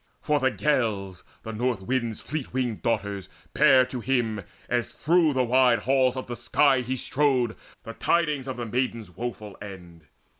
For the Gales, The North wind's fleet winged daughters, bare to him, As through the wide halls of the sky he strode, The tidings of the maiden's woeful end.